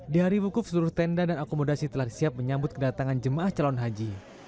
di hari bukuf seluruh tenda dan akomodasi telah siap menyambut kedatangan jemaah calon haji